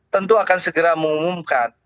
tentu akan segera mengumumkan